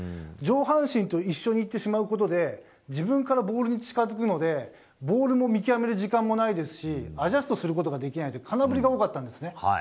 上半身と一緒にいってしまうことで自分からボールに近づくのでボールを見極める時間もないですしアジャストする時間もないから空振りが多かったんです。